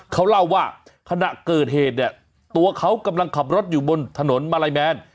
เขาเล่าว่าขณะเกิดเหตุเนี่ยตัวเขากำลังขับรถอยู่บนถนนมาลัยแมน